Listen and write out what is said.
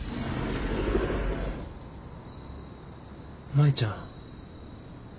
舞ちゃん。